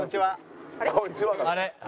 「あれ？」